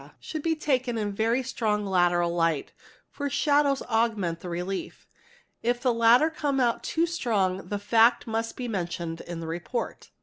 should be taken in a very strong lateral light, for shadows augment the relief; if the latter come out too strong the fact must be mentioned in the report.